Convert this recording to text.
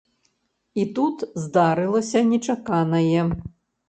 І тут здарылася нечаканае.